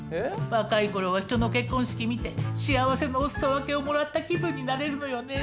若い頃は人の結婚式見て幸せのお裾分けをもらった気分になれるのよね。